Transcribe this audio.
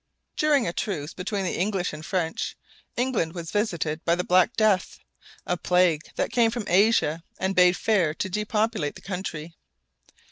] During a truce between the English and French, England was visited by the Black Death, a plague that came from Asia and bade fair to depopulate the country.